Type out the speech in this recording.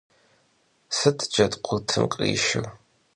Sıt cedkhurtım khrişşır?